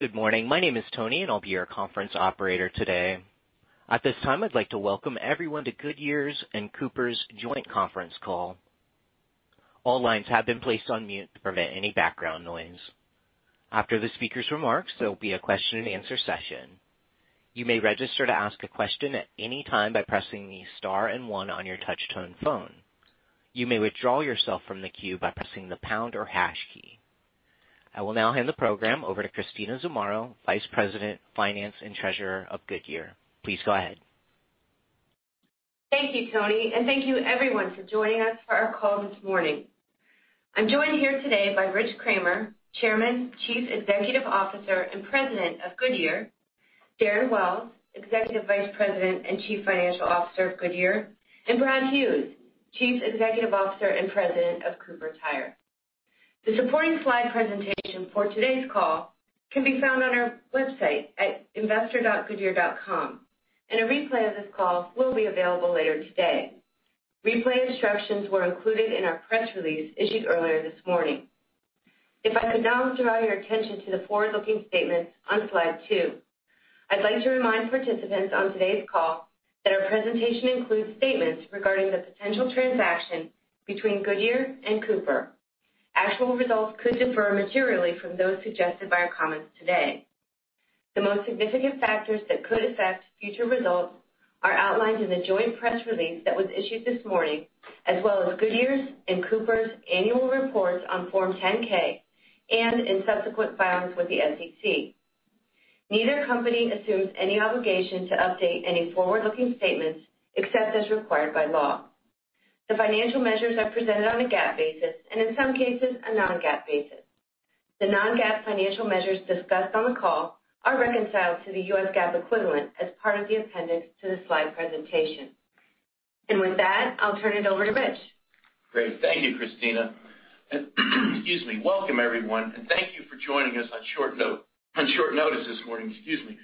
Good morning. My name is Tony, and I'll be your conference operator today. At this time, I'd like to welcome everyone to Goodyear's and Cooper's joint conference call. All lines have been placed on mute to prevent any background noise. After the speaker's remarks, there will be a question-and-answer session. You may register to ask a question at any time by pressing the star and one on your touch-tone phone. You may withdraw yourself from the queue by pressing the pound or hash key. I will now hand the program over to Christina Zamarro, Vice President, Finance and Treasurer of Goodyear. Please go ahead. Thank you, Tony, and thank you, everyone, for joining us for our call this morning. I'm joined here today by Rich Kramer, Chairman, Chief Executive Officer, and President of Goodyear, Darren Wells, Executive Vice President and Chief Financial Officer of Goodyear, and Brad Hughes, Chief Executive Officer and President of Cooper Tire. The supporting slide presentation for today's call can be found on our website at investor.goodyear.com, and a replay of this call will be available later today. Replay instructions were included in our press release issued earlier this morning. If I could now draw your attention to the forward-looking statements on slide two, I'd like to remind participants on today's call that our presentation includes statements regarding the potential transaction between Goodyear and Cooper. Actual results could differ materially from those suggested by our comments today. The most significant factors that could affect future results are outlined in the joint press release that was issued this morning, as well as Goodyear's and Cooper's annual reports on Form 10-K and in subsequent filings with the SEC. Neither company assumes any obligation to update any forward-looking statements except as required by law. The financial measures are presented on a GAAP basis and, in some cases, a non-GAAP basis. The non-GAAP financial measures discussed on the call are reconciled to the U.S. GAAP equivalent as part of the appendix to the slide presentation. And with that, I'll turn it over to Rich. Great. Thank you, Christina. Excuse me. Welcome, everyone, and thank you for joining us on short notice this morning. Excuse me.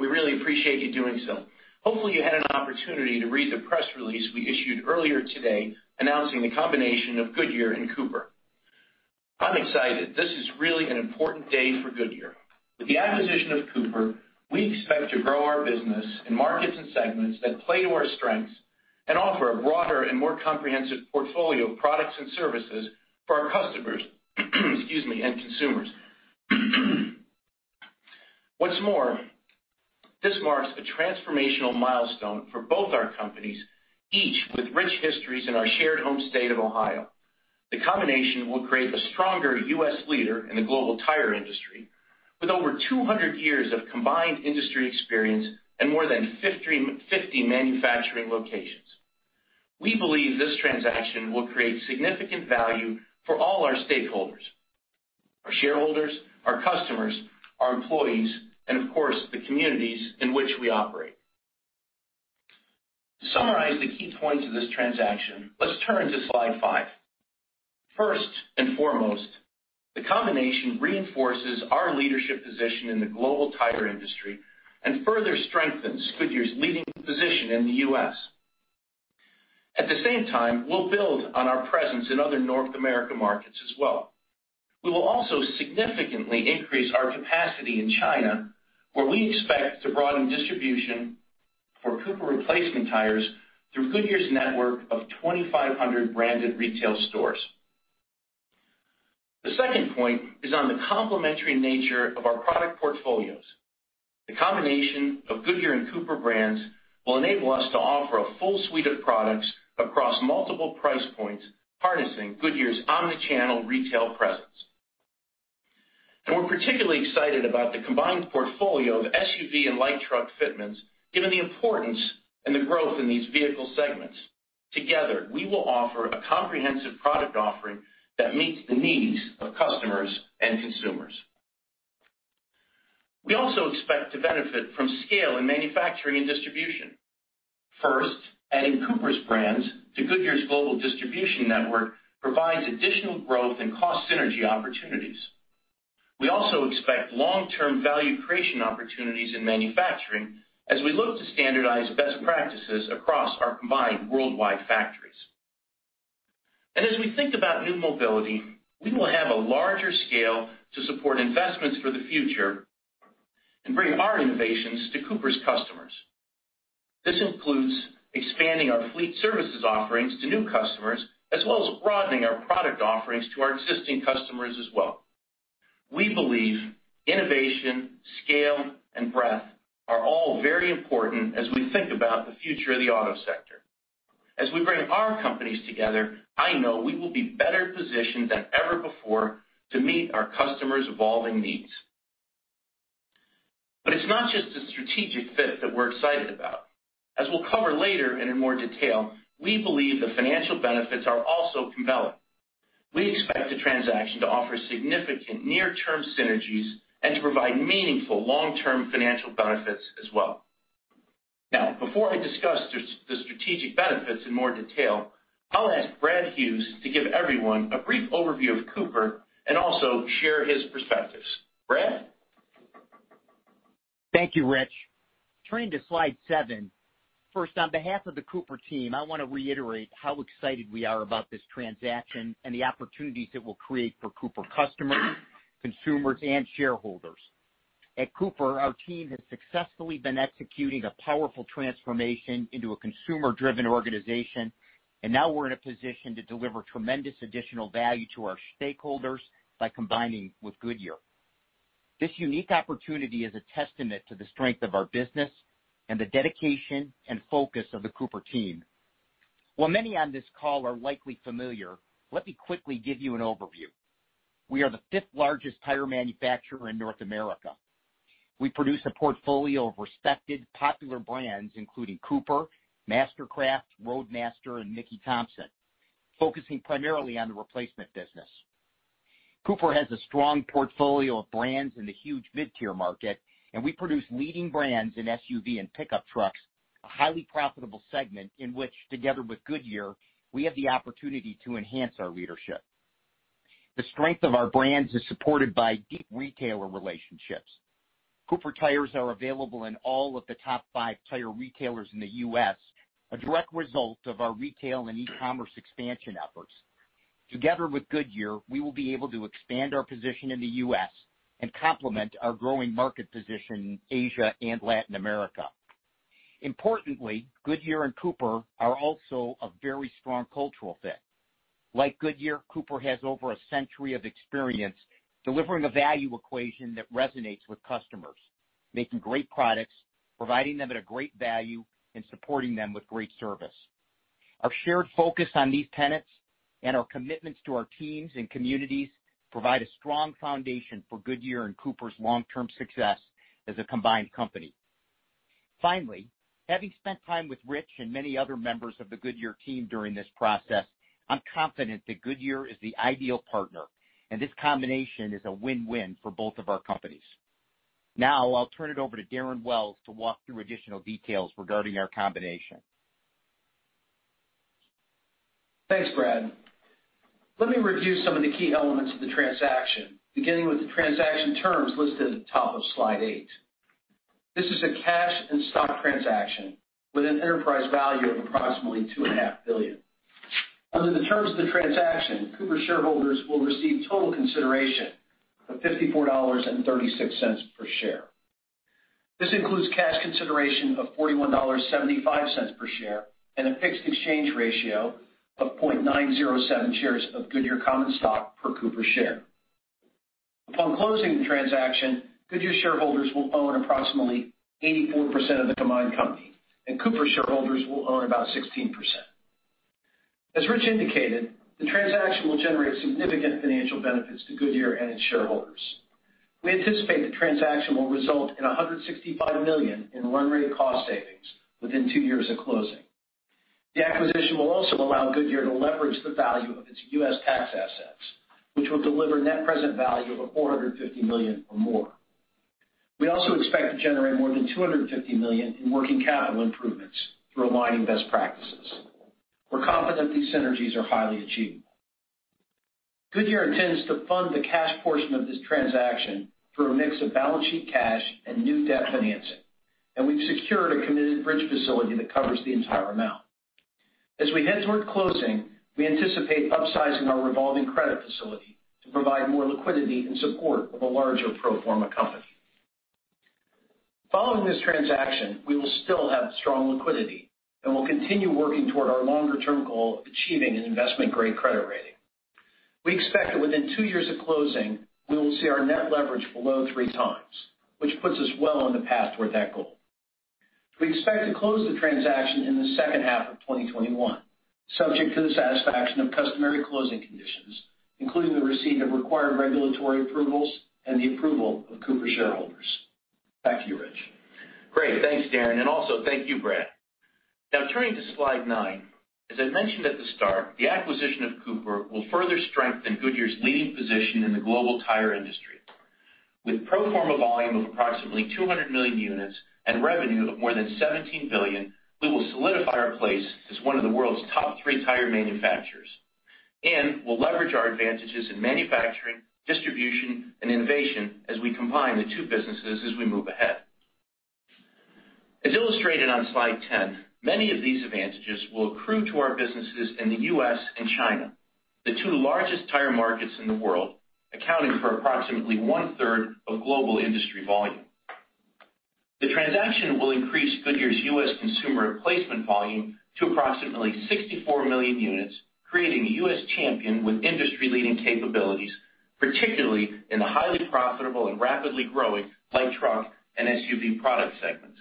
We really appreciate you doing so. Hopefully, you had an opportunity to read the press release we issued earlier today announcing the combination of Goodyear and Cooper. I'm excited. This is really an important day for Goodyear. With the acquisition of Cooper, we expect to grow our business in markets and segments that play to our strengths and offer a broader and more comprehensive portfolio of products and services for our customers, excuse me, and consumers. What's more, this marks a transformational milestone for both our companies, each with rich histories in our shared home state of Ohio. The combination will create a stronger U.S. leader in the global tire industry with over 200 years of combined industry experience and more than 50 manufacturing locations. We believe this transaction will create significant value for all our stakeholders: our shareholders, our customers, our employees, and, of course, the communities in which we operate. To summarize the key points of this transaction, let's turn to slide five. First and foremost, the combination reinforces our leadership position in the global tire industry and further strengthens Goodyear's leading position in the U.S. At the same time, we'll build on our presence in other North America markets as well. We will also significantly increase our capacity in China, where we expect to broaden distribution for Cooper replacement tires through Goodyear's network of 2,500 branded retail stores. The second point is on the complementary nature of our product portfolios. The combination of Goodyear and Cooper brands will enable us to offer a full suite of products across multiple price points, harnessing Goodyear's omnichannel retail presence. And we're particularly excited about the combined portfolio of SUV and light truck fitments, given the importance and the growth in these vehicle segments. Together, we will offer a comprehensive product offering that meets the needs of customers and consumers. We also expect to benefit from scale in manufacturing and distribution. First, adding Cooper's brands to Goodyear's global distribution network provides additional growth and cost synergy opportunities. We also expect long-term value creation opportunities in manufacturing as we look to standardize best practices across our combined worldwide factories. And as we think about new mobility, we will have a larger scale to support investments for the future and bring our innovations to Cooper's customers. This includes expanding our fleet services offerings to new customers as well as broadening our product offerings to our existing customers as well. We believe innovation, scale, and breadth are all very important as we think about the future of the auto sector. As we bring our companies together, I know we will be better positioned than ever before to meet our customers' evolving needs. But it's not just a strategic fit that we're excited about. As we'll cover later and in more detail, we believe the financial benefits are also compelling. We expect the transaction to offer significant near-term synergies and to provide meaningful long-term financial benefits as well. Now, before I discuss the strategic benefits in more detail, I'll ask Brad Hughes to give everyone a brief overview of Cooper and also share his perspectives. Brad? Thank you, Rich. Turning to slide seven, first, on behalf of the Cooper team, I want to reiterate how excited we are about this transaction and the opportunities it will create for Cooper customers, consumers, and shareholders. At Cooper, our team has successfully been executing a powerful transformation into a consumer-driven organization, and now we're in a position to deliver tremendous additional value to our stakeholders by combining with Goodyear. This unique opportunity is a testament to the strength of our business and the dedication and focus of the Cooper team. While many on this call are likely familiar, let me quickly give you an overview. We are the fifth-largest tire manufacturer in North America. We produce a portfolio of respected, popular brands, including Cooper, Mastercraft, Roadmaster, and Mickey Thompson, focusing primarily on the replacement business. Cooper has a strong portfolio of brands in the huge mid-tier market, and we produce leading brands in SUV and pickup trucks, a highly profitable segment in which, together with Goodyear, we have the opportunity to enhance our leadership. The strength of our brands is supported by deep retailer relationships. Cooper Tires are available in all of the top five tire retailers in the U.S., a direct result of our retail and e-commerce expansion efforts. Together with Goodyear, we will be able to expand our position in the U.S. and complement our growing market position in Asia and Latin America. Importantly, Goodyear and Cooper are also a very strong cultural fit. Like Goodyear, Cooper has over a century of experience delivering a value equation that resonates with customers, making great products, providing them at a great value, and supporting them with great service. Our shared focus on these tenets and our commitments to our teams and communities provide a strong foundation for Goodyear and Cooper's long-term success as a combined company. Finally, having spent time with Rich and many other members of the Goodyear team during this process, I'm confident that Goodyear is the ideal partner, and this combination is a win-win for both of our companies. Now, I'll turn it over to Darren Wells to walk through additional details regarding our combination. Thanks, Brad. Let me review some of the key elements of the transaction, beginning with the transaction terms listed at the top of slide eight. This is a cash and stock transaction with an enterprise value of approximately $2.5 billion. Under the terms of the transaction, Cooper shareholders will receive total consideration of $54.36 per share. This includes cash consideration of $41.75 per share and a fixed exchange ratio of 0.907 shares of Goodyear Common Stock per Cooper share. Upon closing the transaction, Goodyear shareholders will own approximately 84% of the combined company, and Cooper shareholders will own about 16%. As Rich indicated, the transaction will generate significant financial benefits to Goodyear and its shareholders. We anticipate the transaction will result in $165 million in run rate cost savings within two years of closing. The acquisition will also allow Goodyear to leverage the value of its U.S. tax assets, which will deliver net present value of $450 million or more. We also expect to generate more than $250 million in working capital improvements through aligning best practices. We're confident these synergies are highly achievable. Goodyear intends to fund the cash portion of this transaction through a mix of balance sheet cash and new debt financing, and we've secured a committed bridge facility that covers the entire amount. As we head toward closing, we anticipate upsizing our revolving credit facility to provide more liquidity in support of a larger pro forma company. Following this transaction, we will still have strong liquidity and will continue working toward our longer-term goal of achieving an investment-grade credit rating. We expect that within two years of closing, we will see our net leverage below three times, which puts us well on the path toward that goal. We expect to close the transaction in the second half of 2021, subject to the satisfaction of customary closing conditions, including the receipt of required regulatory approvals and the approval of Cooper shareholders. Back to you, Rich. Great. Thanks, Darren. And also, thank you, Brad. Now, turning to slide nine, as I mentioned at the start, the acquisition of Cooper will further strengthen Goodyear's leading position in the global tire industry. With pro forma volume of approximately 200 million units and revenue of more than $17 billion, we will solidify our place as one of the world's top three tire manufacturers and will leverage our advantages in manufacturing, distribution, and innovation as we combine the two businesses as we move ahead. As illustrated on slide 10, many of these advantages will accrue to our businesses in the U.S. and China, the two largest tire markets in the world, accounting for approximately one-third of global industry volume. The transaction will increase Goodyear's U.S. consumer replacement volume to approximately 64 million units, creating a U.S. champion with industry-leading capabilities, particularly in the highly profitable and rapidly growing light truck and SUV product segments.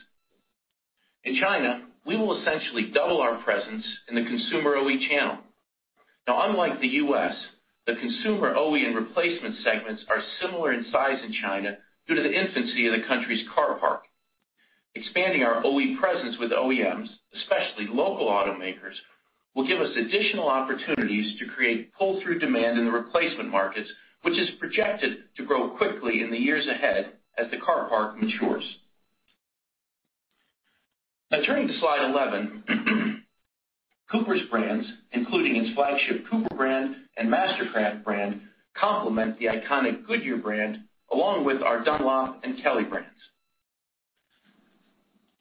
In China, we will essentially double our presence in the consumer OE channel. Now, unlike the U.S., the consumer OE and replacement segments are similar in size in China due to the infancy of the country's car park. Expanding our OE presence with OEMs, especially local automakers, will give us additional opportunities to create pull-through demand in the replacement markets, which is projected to grow quickly in the years ahead as the car park matures. Now, turning to slide 11, Cooper's brands, including its flagship Cooper brand and Mastercraft brand, complement the iconic Goodyear brand along with our Dunlop and Kelly brands.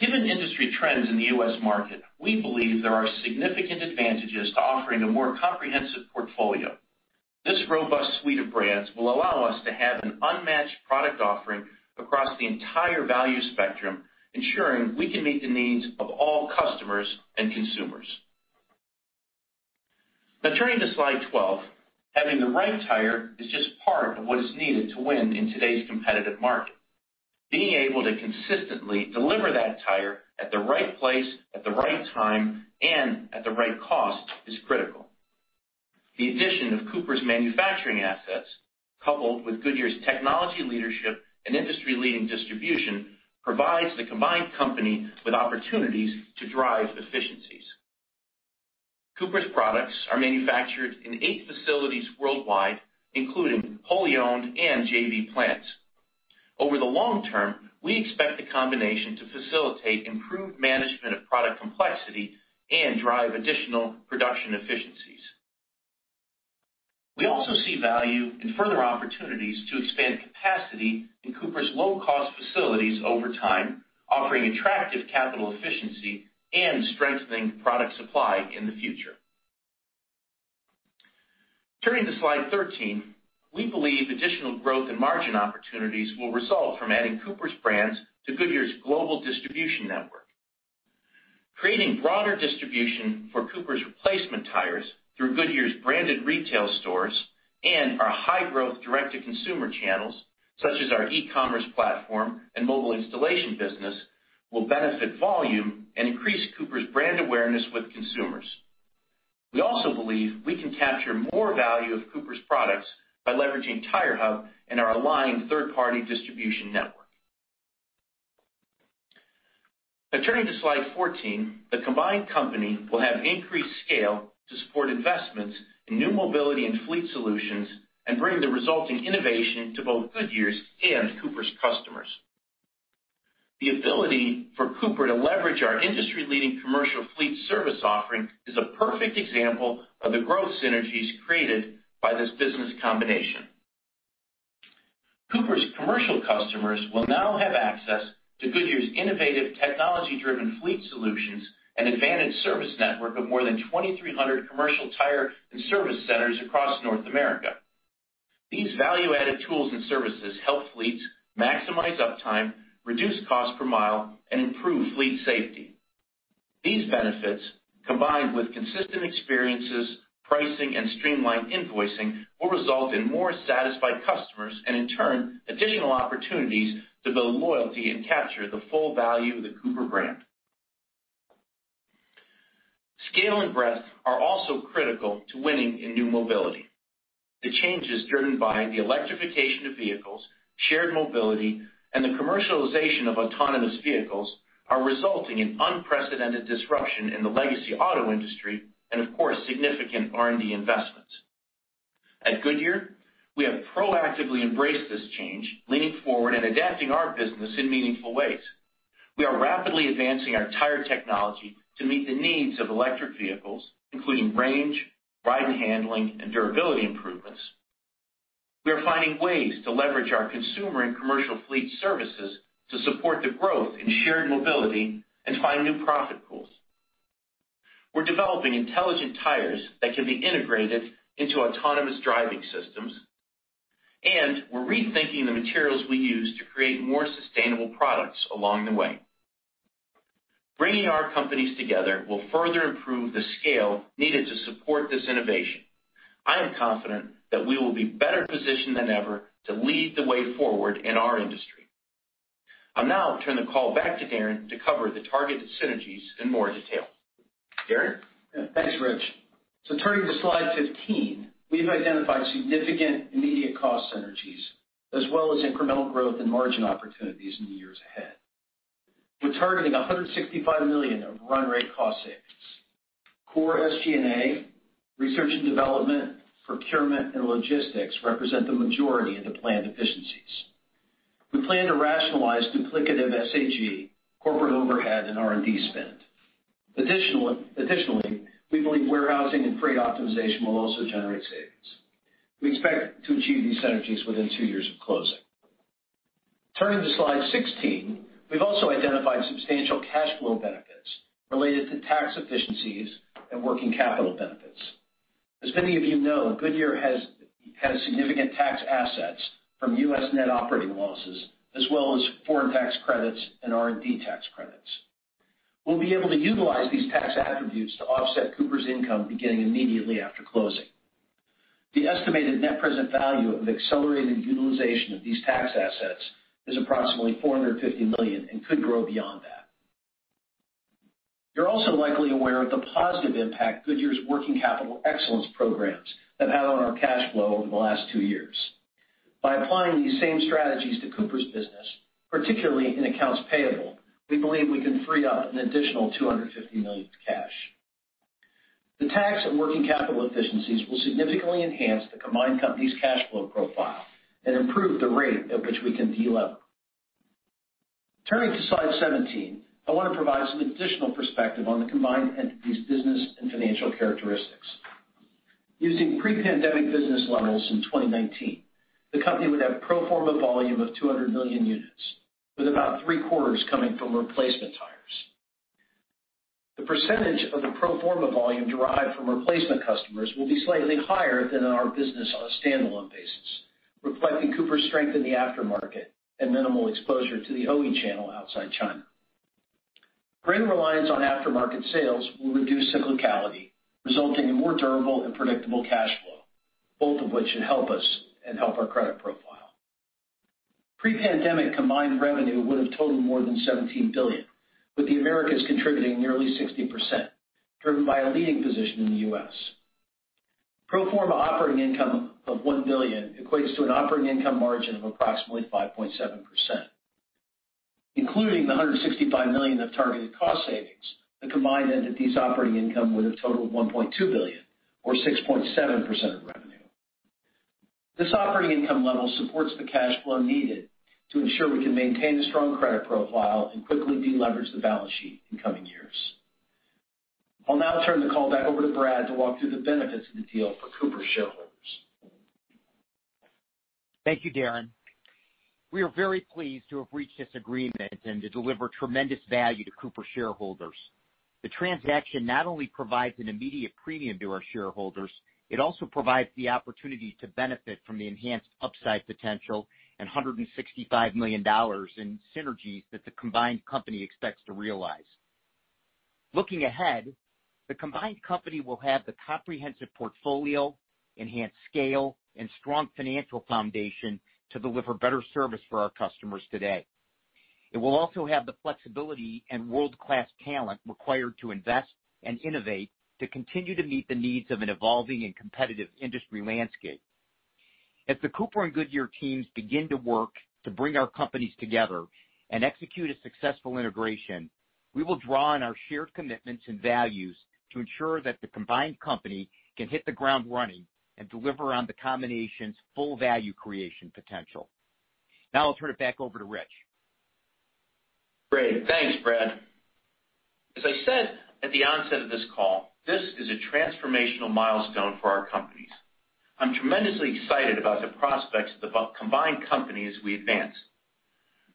Given industry trends in the U.S. market, we believe there are significant advantages to offering a more comprehensive portfolio. This robust suite of brands will allow us to have an unmatched product offering across the entire value spectrum, ensuring we can meet the needs of all customers and consumers. Now, turning to slide 12, having the right tire is just part of what is needed to win in today's competitive market. Being able to consistently deliver that tire at the right place, at the right time, and at the right cost is critical. The addition of Cooper's manufacturing assets, coupled with Goodyear's technology leadership and industry-leading distribution, provides the combined company with opportunities to drive efficiencies. Cooper's products are manufactured in eight facilities worldwide, including wholly owned and JV plants. Over the long term, we expect the combination to facilitate improved management of product complexity and drive additional production efficiencies. We also see value in further opportunities to expand capacity in Cooper's low-cost facilities over time, offering attractive capital efficiency and strengthening product supply in the future. Turning to slide 13, we believe additional growth and margin opportunities will result from adding Cooper's brands to Goodyear's global distribution network. Creating broader distribution for Cooper's replacement tires through Goodyear's branded retail stores and our high-growth direct-to-consumer channels, such as our e-commerce platform and mobile installation business, will benefit volume and increase Cooper's brand awareness with consumers. We also believe we can capture more value of Cooper's products by leveraging TireHub and our aligned third-party distribution network. Now, turning to slide 14, the combined company will have increased scale to support investments in new mobility and fleet solutions and bring the resulting innovation to both Goodyear's and Cooper's customers. The ability for Cooper to leverage our industry-leading commercial fleet service offering is a perfect example of the growth synergies created by this business combination. Cooper's commercial customers will now have access to Goodyear's innovative technology-driven fleet solutions and advanced service network of more than 2,300 commercial tire and service centers across North America. These value-added tools and services help fleets maximize uptime, reduce cost per mile, and improve fleet safety. These benefits, combined with consistent experiences, pricing, and streamlined invoicing, will result in more satisfied customers and, in turn, additional opportunities to build loyalty and capture the full value of the Cooper brand. Scale and breadth are also critical to winning in new mobility. The changes driven by the electrification of vehicles, shared mobility, and the commercialization of autonomous vehicles are resulting in unprecedented disruption in the legacy auto industry and, of course, significant R&D investments. At Goodyear, we have proactively embraced this change, leaning forward and adapting our business in meaningful ways. We are rapidly advancing our tire technology to meet the needs of electric vehicles, including range, ride and handling, and durability improvements. We are finding ways to leverage our consumer and commercial fleet services to support the growth in shared mobility and find new profit pools. We're developing intelligent tires that can be integrated into autonomous driving systems, and we're rethinking the materials we use to create more sustainable products along the way. Bringing our companies together will further improve the scale needed to support this innovation. I am confident that we will be better positioned than ever to lead the way forward in our industry. I'll now turn the call back to Darren to cover the targeted synergies in more detail. Darren. Thanks, Rich. So turning to slide 15, we've identified significant immediate cost synergies as well as incremental growth and margin opportunities in the years ahead. We're targeting $165 million of run rate cost savings. Core SG&A, research and development, procurement, and logistics represent the majority of the planned efficiencies. We plan to rationalize duplicative SG&A, corporate overhead, and R&D spend. Additionally, we believe warehousing and freight optimization will also generate savings. We expect to achieve these synergies within two years of closing. Turning to slide 16, we've also identified substantial cash flow benefits related to tax efficiencies and working capital benefits. As many of you know, Goodyear has had significant tax assets from U.S. net operating losses as well as foreign tax credits and R&D tax credits. We'll be able to utilize these tax attributes to offset Cooper's income beginning immediately after closing. The estimated net present value of accelerated utilization of these tax assets is approximately $450 million and could grow beyond that. You're also likely aware of the positive impact Goodyear's working capital excellence programs have had on our cash flow over the last two years. By applying these same strategies to Cooper's business, particularly in accounts payable, we believe we can free up an additional $250 million cash. The tax and working capital efficiencies will significantly enhance the combined company's cash flow profile and improve the rate at which we can deleverage. Turning to slide 17, I want to provide some additional perspective on the combined entity's business and financial characteristics. Using pre-pandemic business levels in 2019, the company would have pro forma volume of 200 million units, with about three-quarters coming from replacement tires. The percentage of the pro forma volume derived from replacement customers will be slightly higher than in our business on a standalone basis, reflecting Cooper's strength in the aftermarket and minimal exposure to the OE channel outside China. Bringing reliance on aftermarket sales will reduce cyclicality, resulting in more durable and predictable cash flow, both of which should help us and help our credit profile. Pre-pandemic combined revenue would have totaled more than $17 billion, with the Americas contributing nearly 60%, driven by a leading position in the U.S. Pro forma operating income of $1 billion equates to an operating income margin of approximately 5.7%. Including the $165 million of targeted cost savings, the combined entity's operating income would have totaled $1.2 billion, or 6.7% of revenue. This operating income level supports the cash flow needed to ensure we can maintain a strong credit profile and quickly deleverage the balance sheet in coming years. I'll now turn the call back over to Brad to walk through the benefits of the deal for Cooper's shareholders. Thank you, Darren. We are very pleased to have reached this agreement and to deliver tremendous value to Cooper's shareholders. The transaction not only provides an immediate premium to our shareholders, it also provides the opportunity to benefit from the enhanced upside potential and $165 million in synergies that the combined company expects to realize. Looking ahead, the combined company will have the comprehensive portfolio, enhanced scale, and strong financial foundation to deliver better service for our customers today. It will also have the flexibility and world-class talent required to invest and innovate to continue to meet the needs of an evolving and competitive industry landscape. As the Cooper and Goodyear teams begin to work to bring our companies together and execute a successful integration, we will draw on our shared commitments and values to ensure that the combined company can hit the ground running and deliver on the combination's full value creation potential. Now, I'll turn it back over to Rich. Great. Thanks, Brad. As I said at the onset of this call, this is a transformational milestone for our companies. I'm tremendously excited about the prospects of the combined company as we advance.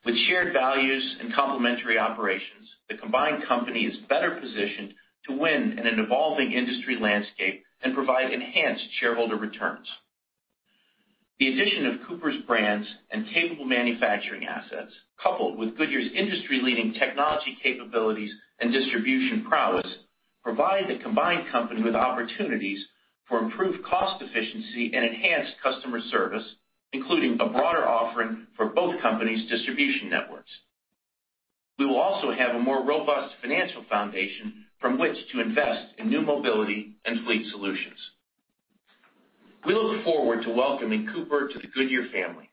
With shared values and complementary operations, the combined company is better positioned to win in an evolving industry landscape and provide enhanced shareholder returns. The addition of Cooper's brands and capable manufacturing assets, coupled with Goodyear's industry-leading technology capabilities and distribution prowess, provide the combined company with opportunities for improved cost efficiency and enhanced customer service, including a broader offering for both companies' distribution networks. We will also have a more robust financial foundation from which to invest in new mobility and fleet solutions. We look forward to welcoming Cooper to the Goodyear family.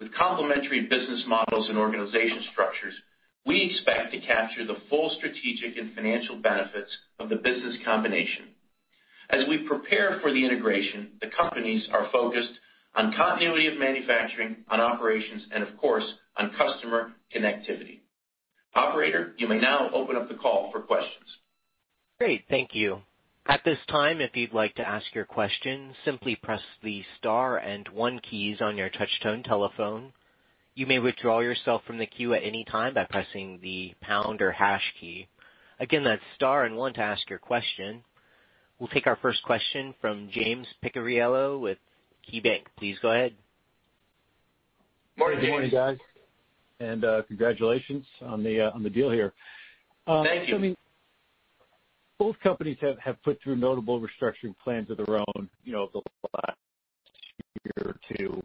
With complementary business models and organization structures, we expect to capture the full strategic and financial benefits of the business combination. As we prepare for the integration, the companies are focused on continuity of manufacturing, on operations, and, of course, on customer connectivity. Operator, you may now open up the call for questions. Great. Thank you. At this time, if you'd like to ask your question, simply press the star and one keys on your touch-tone telephone. You may withdraw yourself from the queue at any time by pressing the pound or hash key. Again, that's star and one to ask your question. We'll take our first question from James Picariello with KeyBanc. Please go ahead. Morning. Good morning, guys. Congratulations on the deal here. Thank you. Both companies have put through notable restructuring plans of their own the last year or two.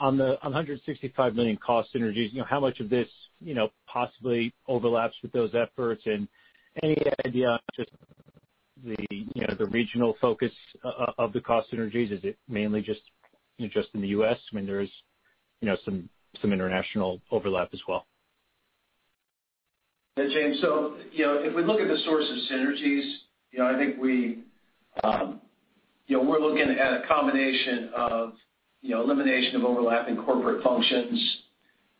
On the $165 million cost synergies, how much of this possibly overlaps with those efforts? And any idea on just the regional focus of the cost synergies? Is it mainly just in the U.S.? I mean, there is some international overlap as well. Hey, James. So if we look at the source of synergies, I think we're looking at a combination of elimination of overlapping corporate functions,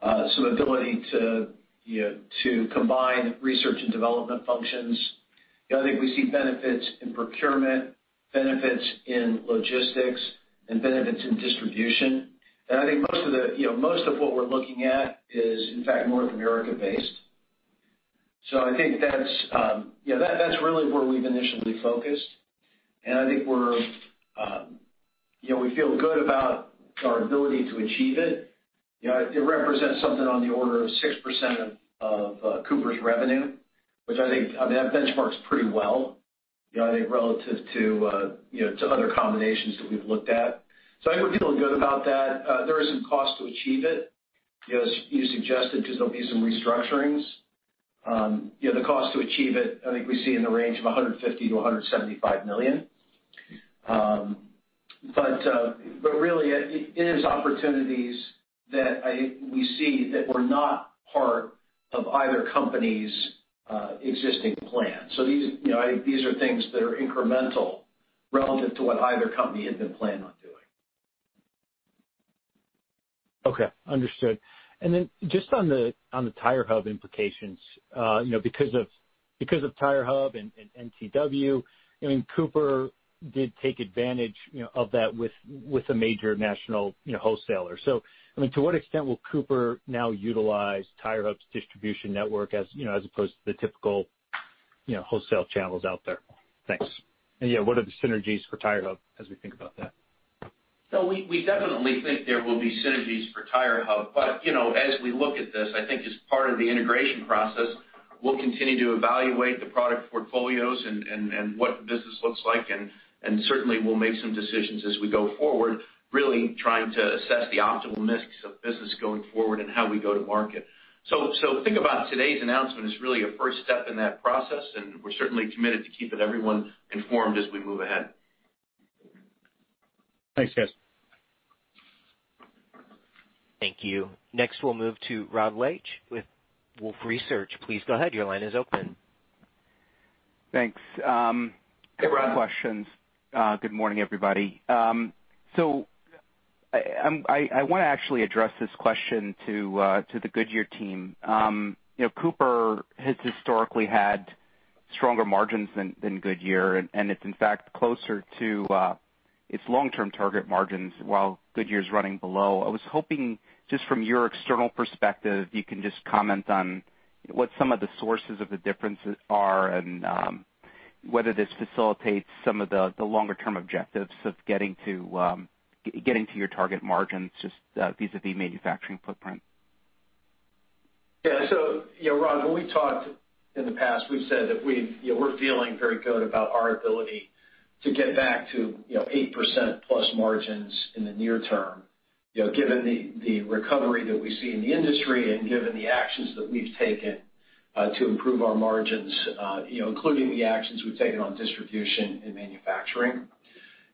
some ability to combine research and development functions. I think we see benefits in procurement, benefits in logistics, and benefits in distribution. And I think most of what we're looking at is, in fact, North America-based. So I think that's really where we've initially focused. And I think we feel good about our ability to achieve it. It represents something on the order of 6% of Cooper's revenue, which I think that benchmarks pretty well, I think, relative to other combinations that we've looked at. So I think we feel good about that. There is some cost to achieve it, as you suggested, because there'll be some restructurings. The cost to achieve it, I think we see in the range of $150 million-$175 million. But really, it is opportunities that we see that were not part of either company's existing plan. So these are things that are incremental relative to what either company had been planning on doing. Okay. Understood. And then just on the TireHub implications, because of TireHub and NTW, I mean, Cooper did take advantage of that with a major national wholesaler. So I mean, to what extent will Cooper now utilize TireHub's distribution network as opposed to the typical wholesale channels out there? Thanks. And yeah, what are the synergies for TireHub as we think about that? We definitely think there will be synergies for TireHub. But as we look at this, I think as part of the integration process, we'll continue to evaluate the product portfolios and what the business looks like. And certainly, we'll make some decisions as we go forward, really trying to assess the optimal mix of business going forward and how we go to market. So think about today's announcement as really a first step in that process. And we're certainly committed to keeping everyone informed as we move ahead. Thanks, guys. Thank you. Next, we'll move to Rod Lache with Wolfe Research. Please go ahead. Your line is open. Thanks. Hey, Rod. Good morning, everybody. I want to actually address this question to the Goodyear team. Cooper has historically had stronger margins than Goodyear, and it's, in fact, closer to its long-term target margins while Goodyear is running below. I was hoping just from your external perspective, you can just comment on what some of the sources of the differences are and whether this facilitates some of the longer-term objectives of getting to your target margins just vis-à-vis manufacturing footprint? Yeah. So Rod, when we talked in the past, we've said that we're feeling very good about our ability to get back to 8% plus margins in the near term, given the recovery that we see in the industry and given the actions that we've taken to improve our margins, including the actions we've taken on distribution and manufacturing.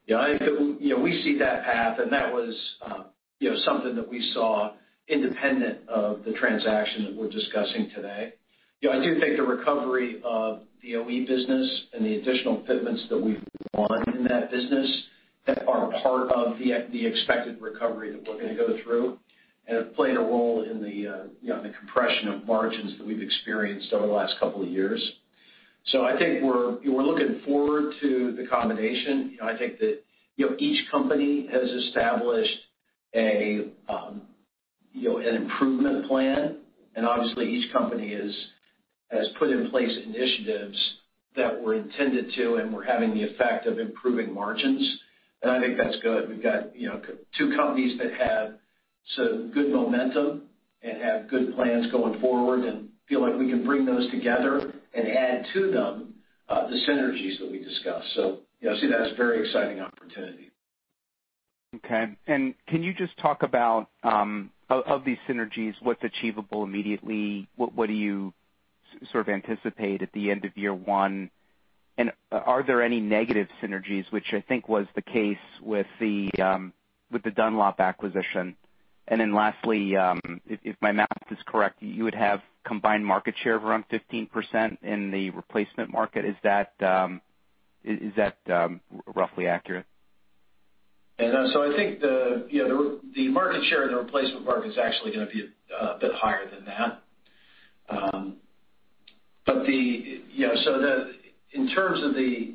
We see that path, and that was something that we saw independent of the transaction that we're discussing today. I do think the recovery of the OE business and the additional commitments that we've won in that business are part of the expected recovery that we're going to go through and have played a role in the compression of margins that we've experienced over the last couple of years. So I think we're looking forward to the combination. I think that each company has established an improvement plan. Obviously, each company has put in place initiatives that were intended to, and we're having the effect of improving margins. I think that's good. We've got two companies that have some good momentum and have good plans going forward and feel like we can bring those together and add to them the synergies that we discussed. I see that as a very exciting opportunity. Okay. And can you just talk about, of these synergies, what's achievable immediately? What do you sort of anticipate at the end of year one? And are there any negative synergies, which I think was the case with the Dunlop acquisition? And then lastly, if my math is correct, you would have combined market share of around 15% in the replacement market. Is that roughly accurate? Yeah. So I think the market share in the replacement market is actually going to be a bit higher than that. But in terms of, we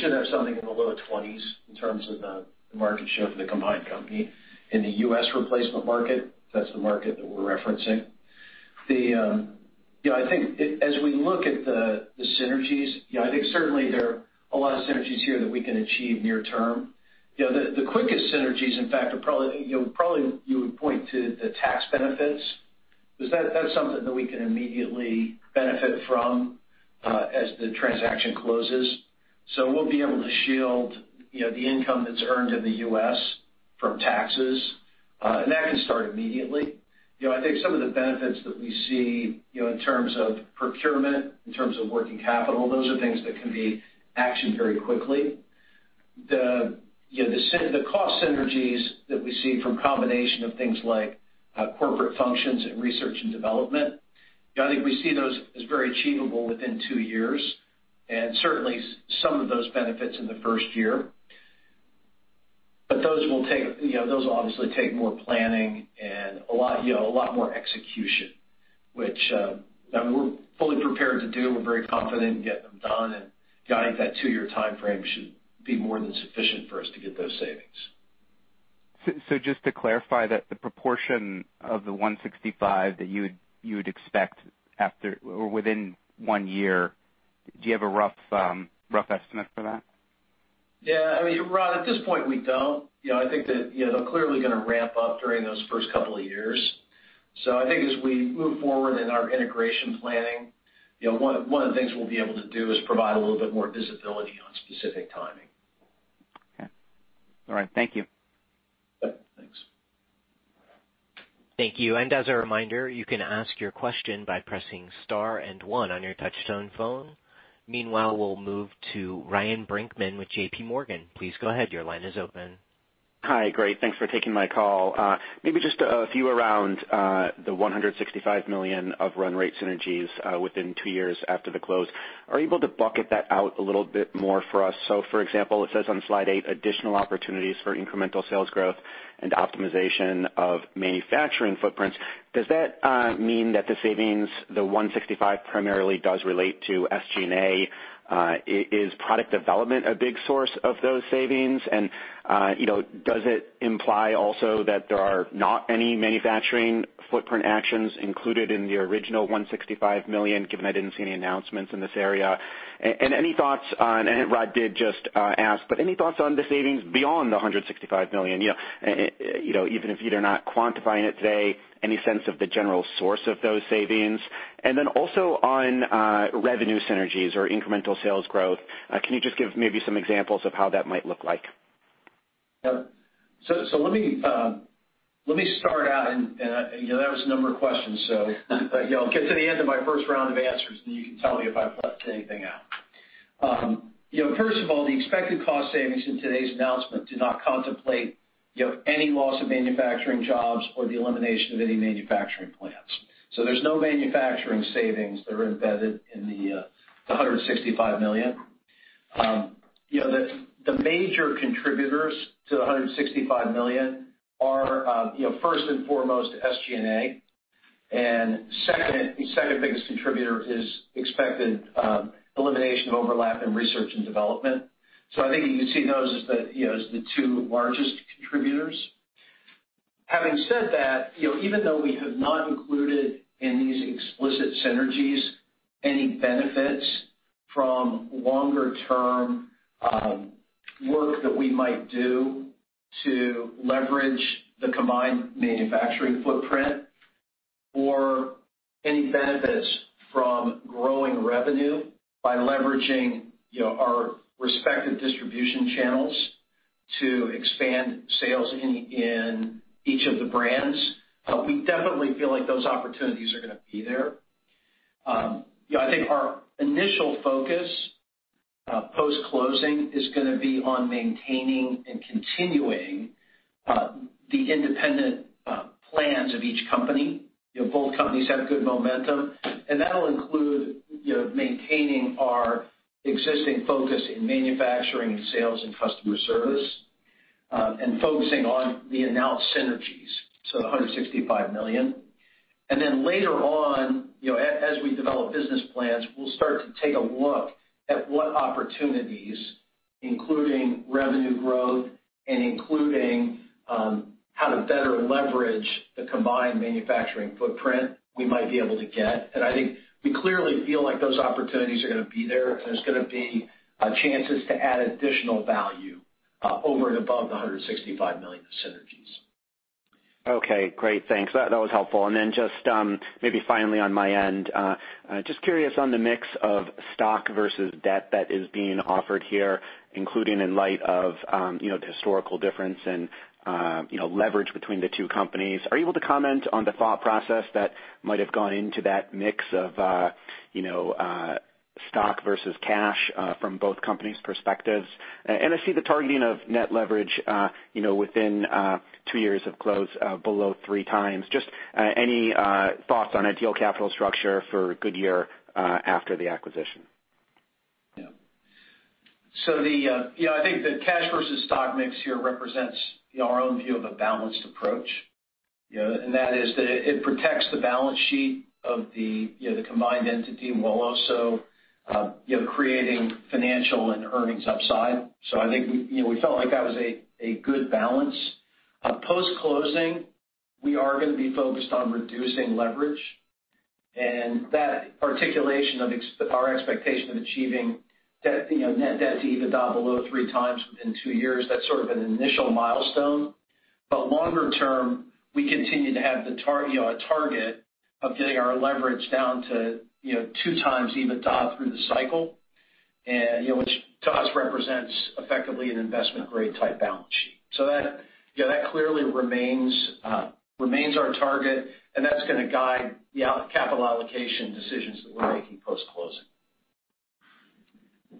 should have something in the low 20s in terms of the market share for the combined company in the U.S. replacement market. That's the market that we're referencing. I think as we look at the synergies, I think certainly there are a lot of synergies here that we can achieve near term. The quickest synergies, in fact, are probably you would point to the tax benefits. That's something that we can immediately benefit from as the transaction closes. So we'll be able to shield the income that's earned in the U.S. from taxes. And that can start immediately. I think some of the benefits that we see in terms of procurement, in terms of working capital, those are things that can be actioned very quickly. The cost synergies that we see from a combination of things like corporate functions and research and development, I think we see those as very achievable within two years. And certainly, some of those benefits in the first year. But those will obviously take more planning and a lot more execution, which we're fully prepared to do. We're very confident in getting them done. And I think that two-year timeframe should be more than sufficient for us to get those savings. So just to clarify that the proportion of the 165 that you would expect after or within one year, do you have a rough estimate for that? Yeah. I mean, Rod, at this point, we don't. I think that they're clearly going to ramp up during those first couple of years. So I think as we move forward in our integration planning, one of the things we'll be able to do is provide a little bit more visibility on specific timing. Okay. All right. Thank you. Yep. Thanks. Thank you. And as a reminder, you can ask your question by pressing star and one on your touch-tone phone. Meanwhile, we'll move to Ryan Brinkman with JPMorgan. Please go ahead. Your line is open. Hi. Great. Thanks for taking my call. Maybe just a few around the $165 million of run rate synergies within two years after the close. Are you able to bucket that out a little bit more for us? So for example, it says on slide eight, additional opportunities for incremental sales growth and optimization of manufacturing footprints. Does that mean that the savings, the 165, primarily does relate to SG&A? Is product development a big source of those savings? And does it imply also that there are not any manufacturing footprint actions included in the original $165 million, given I didn't see any announcements in this area? And any thoughts on, and Rod did just ask, but any thoughts on the savings beyond the $165 million, even if you're not quantifying it today? Any sense of the general source of those savings? And then also on revenue synergies or incremental sales growth, can you just give maybe some examples of how that might look like? Yeah. So let me start out, and there was a number of questions. So I'll get to the end of my first round of answers, and you can tell me if I've left anything out. First of all, the expected cost savings in today's announcement do not contemplate any loss of manufacturing jobs or the elimination of any manufacturing plants. So there's no manufacturing savings that are embedded in the $165 million. The major contributors to the $165 million are, first and foremost, SG&A, and second, the second biggest contributor is expected elimination of overlap in research and development. So I think you can see those as the two largest contributors. Having said that, even though we have not included in these explicit synergies any benefits from longer-term work that we might do to leverage the combined manufacturing footprint or any benefits from growing revenue by leveraging our respective distribution channels to expand sales in each of the brands, we definitely feel like those opportunities are going to be there. I think our initial focus post-closing is going to be on maintaining and continuing the independent plans of each company. Both companies have good momentum, and that'll include maintaining our existing focus in manufacturing and sales and customer service and focusing on the announced synergies to the $165 million, and then later on, as we develop business plans, we'll start to take a look at what opportunities, including revenue growth and including how to better leverage the combined manufacturing footprint we might be able to get. And I think we clearly feel like those opportunities are going to be there. There's going to be chances to add additional value over and above the $165 million of synergies. Okay. Great. Thanks. That was helpful. And then just maybe finally on my end, just curious on the mix of stock versus debt that is being offered here, including in light of the historical difference and leverage between the two companies. Are you able to comment on the thought process that might have gone into that mix of stock versus cash from both companies' perspectives? And I see the targeting of net leverage within two years of close below three times. Just any thoughts on ideal capital structure for Goodyear after the acquisition? Yeah. So I think the cash versus stock mix here represents our own view of a balanced approach. And that is that it protects the balance sheet of the combined entity while also creating financial and earnings upside. So I think we felt like that was a good balance. Post-closing, we are going to be focused on reducing leverage. And that articulation of our expectation of achieving net debt to EBITDA below three times within two years, that's sort of an initial milestone. But longer term, we continue to have the target of getting our leverage down to two times EBITDA through the cycle, which to us represents effectively an investment-grade type balance sheet. So that clearly remains our target. And that's going to guide the capital allocation decisions that we're making post-closing.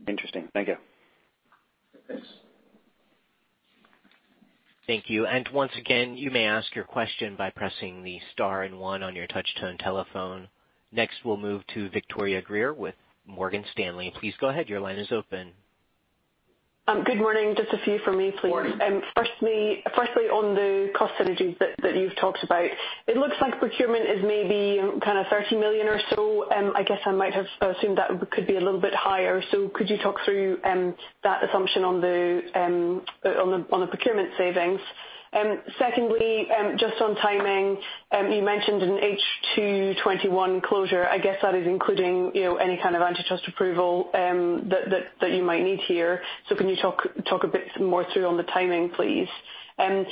Interesting. Thank you. Thanks. Thank you. And once again, you may ask your question by pressing the star and one on your touch-tone telephone. Next, we'll move to Victoria Greer with Morgan Stanley. Please go ahead. Your line is open. Good morning. Just a few for me, please. Firstly, on the cost synergies that you've talked about, it looks like procurement is maybe kind of $30 million or so. I guess I might have assumed that could be a little bit higher. So could you talk through that assumption on the procurement savings? Secondly, just on timing, you mentioned an H221 closure. I guess that is including any kind of antitrust approval that you might need here. So can you talk a bit more through on the timing, please? And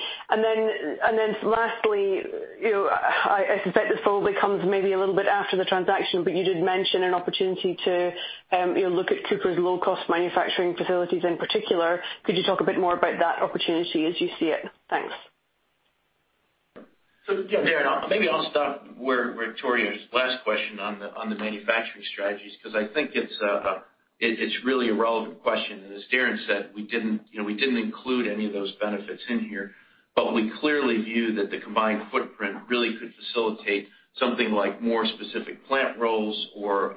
then lastly, I suspect this probably comes maybe a little bit after the transaction, but you did mention an opportunity to look at Cooper's low-cost manufacturing facilities in particular. Could you talk a bit more about that opportunity as you see it? Thanks. So Darren, maybe I'll start with Victoria's last question on the manufacturing strategies because I think it's really a relevant question. And as Darren said, we didn't include any of those benefits in here. But we clearly view that the combined footprint really could facilitate something like more specific plant roles or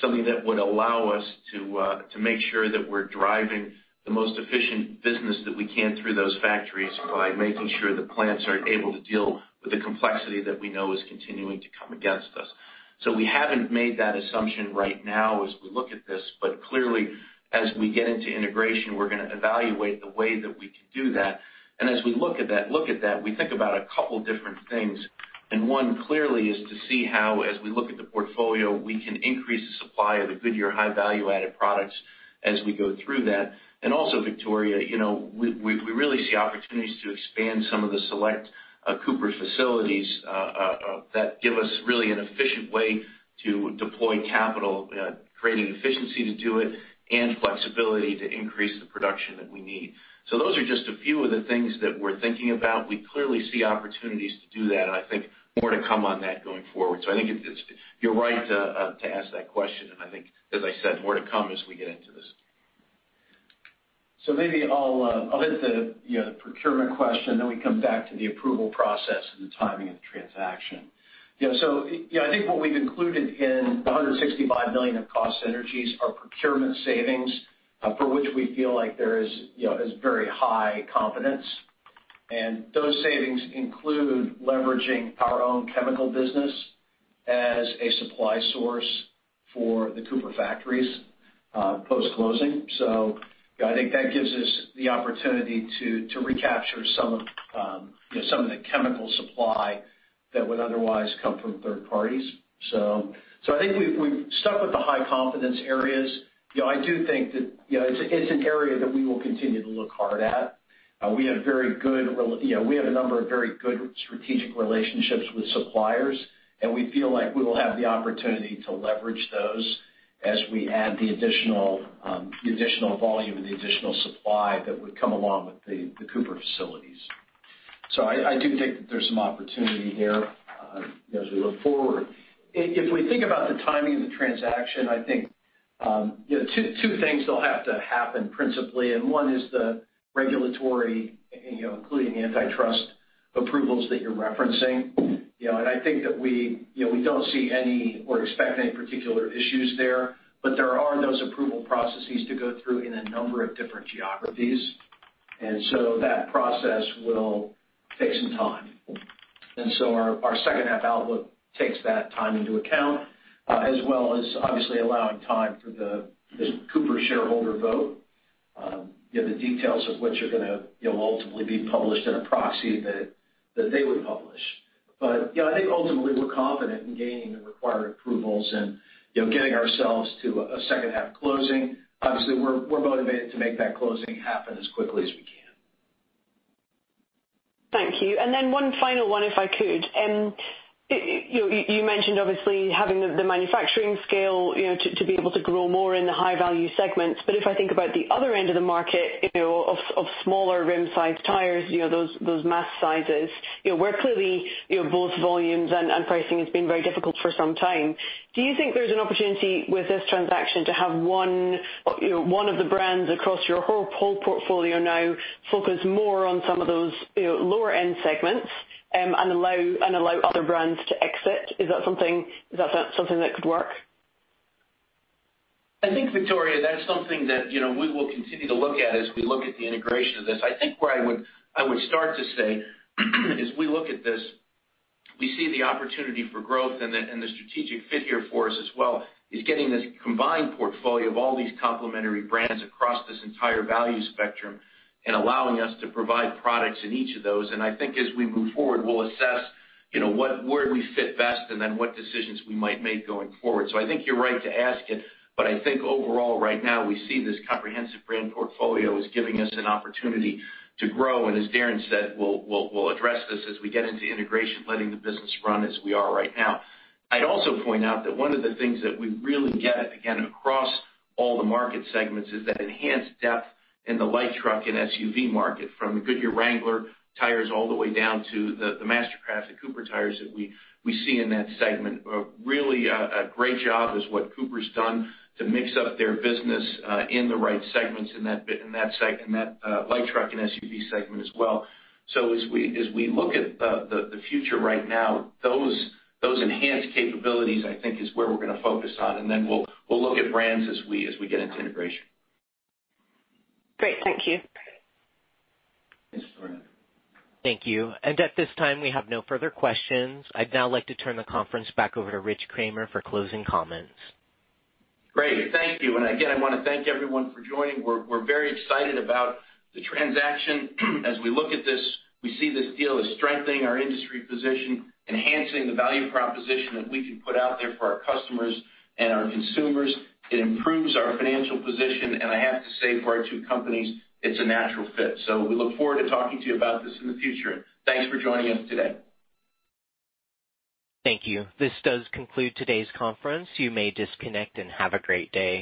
something that would allow us to make sure that we're driving the most efficient business that we can through those factories by making sure the plants are able to deal with the complexity that we know is continuing to come against us. So we haven't made that assumption right now as we look at this. But clearly, as we get into integration, we're going to evaluate the way that we can do that. And as we look at that, we think about a couple of different things. And one clearly is to see how, as we look at the portfolio, we can increase the supply of the Goodyear high-value-added products as we go through that. And also, Victoria, we really see opportunities to expand some of the select Cooper facilities that give us really an efficient way to deploy capital, creating efficiency to do it, and flexibility to increase the production that we need. So those are just a few of the things that we're thinking about. We clearly see opportunities to do that. And I think more to come on that going forward. So I think you're right to ask that question. And I think, as I said, more to come as we get into this. So maybe I'll hit the procurement question. Then we come back to the approval process and the timing of the transaction. Yeah. I think what we've included in the $165 million of cost synergies are procurement savings for which we feel like there is very high confidence. And those savings include leveraging our own chemical business as a supply source for the Cooper factories post-closing. So I think that gives us the opportunity to recapture some of the chemical supply that would otherwise come from third parties. So I think we've stuck with the high-confidence areas. I do think that it's an area that we will continue to look hard at. We have a number of very good strategic relationships with suppliers. And we feel like we will have the opportunity to leverage those as we add the additional volume and the additional supply that would come along with the Cooper facilities. So I do think that there's some opportunity there as we look forward. If we think about the timing of the transaction, I think two things will have to happen principally. One is the regulatory, including antitrust approvals that you're referencing. I think that we don't see any or expect any particular issues there. But there are those approval processes to go through in a number of different geographies. So that process will take some time. Our second-half outlook takes that time into account, as well as obviously allowing time for the Cooper shareholder vote, the details of which are going to ultimately be published in a proxy that they would publish. But I think ultimately, we're confident in gaining the required approvals and getting ourselves to a second-half closing. Obviously, we're motivated to make that closing happen as quickly as we can. Thank you. And then one final one, if I could. You mentioned, obviously, having the manufacturing scale to be able to grow more in the high-value segments. But if I think about the other end of the market of smaller rim-sized tires, those mass sizes, where clearly both volumes and pricing have been very difficult for some time, do you think there's an opportunity with this transaction to have one of the brands across your whole portfolio now focus more on some of those lower-end segments and allow other brands to exit? Is that something that could work? I think, Victoria, that's something that we will continue to look at as we look at the integration of this. I think where I would start to say is we look at this, we see the opportunity for growth, and the strategic fit here for us as well is getting this combined portfolio of all these complementary brands across this entire value spectrum and allowing us to provide products in each of those. And I think as we move forward, we'll assess where we fit best and then what decisions we might make going forward, so I think you're right to ask it, but I think overall, right now, we see this comprehensive brand portfolio is giving us an opportunity to grow, and as Darren said, we'll address this as we get into integration, letting the business run as we are right now. I'd also point out that one of the things that we really get again across all the market segments is that enhanced depth in the light truck and SUV market from the Goodyear Wrangler tires all the way down to the Mastercraft and Cooper tires that we see in that segment. Really a great job is what Cooper's done to mix up their business in the right segments in that light truck and SUV segment as well, so as we look at the future right now, those enhanced capabilities, I think, is where we're going to focus on, and then we'll look at brands as we get into integration. Great. Thank you. Thanks, Dorian. Thank you. And at this time, we have no further questions. I'd now like to turn the conference back over to Rich Kramer for closing comments. Great. Thank you. And again, I want to thank everyone for joining. We're very excited about the transaction. As we look at this, we see this deal as strengthening our industry position, enhancing the value proposition that we can put out there for our customers and our consumers. It improves our financial position. And I have to say, for our two companies, it's a natural fit. So we look forward to talking to you about this in the future. Thanks for joining us today. Thank you. This does conclude today's conference. You may disconnect and have a great day.